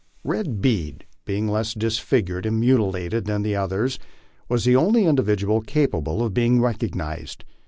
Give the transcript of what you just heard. Red Bead, being less disfigured and mutilated than the others, was the only individual capable of being recognized.